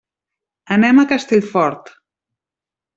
Anem a Castellfort.